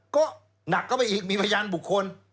ก็หนักเข้าไปอีกมีพยานบุคคล